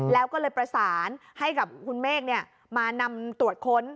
แล้วก็เลยประสานให้กับคุณเมฆมานำตรวจค้น